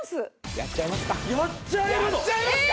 やっちゃいますか！